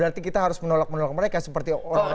berarti kita harus menolak menolak mereka seperti orang orang